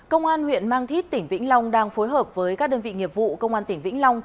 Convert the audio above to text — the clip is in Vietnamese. công an huyện mang thít tỉnh vĩnh long đang phối hợp với các đơn vị nghiệp vụ công an tỉnh vĩnh long